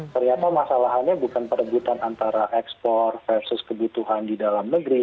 ternyata masalahannya bukan perebutan antara ekspor versus kebutuhan di dalam negeri